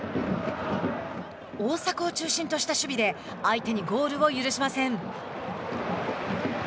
大迫を中心とした守備で相手にゴールを許しません。